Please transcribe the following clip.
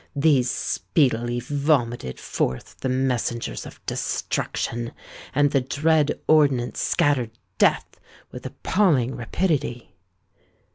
These speedily vomited forth the messengers of destruction; and the dread ordnance scattered death with appalling rapidity.